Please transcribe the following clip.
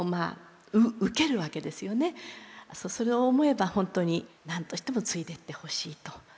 それを思えば本当に何としても継いでってほしいと。